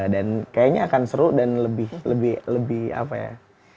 dan kayaknya akan seru dan lebih lebih apa ya